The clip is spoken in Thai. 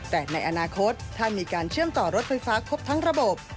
แต่ในอนาคตถ้ามีการเชื่อมต่อรถไฟฟ้าครบทั้งระบบ